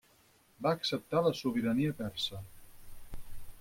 Va acceptar la sobirania persa.